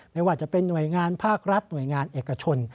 ไม่ว่าจะเป็นหน่วยงานภาครัฐหน่วยงานเอกชน